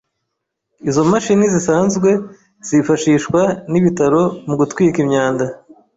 Izo mashini zisanzwe zifashishwa n’ibitaro mu gutwika imyanda,